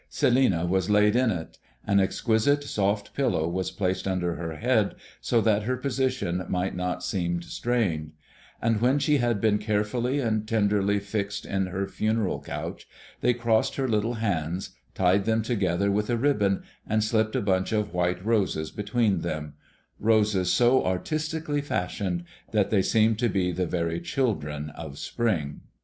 Celinina was laid in it: an exquisite soft pillow was placed under her head, so that her position might not seem strained; and when she had been carefully and tenderly fixed in her funereal couch, they crossed her little hands, tied them together with a ribbon, and slipped a bunch of white roses between them, roses so artistically fashioned that they seemed to be the very children of Spring.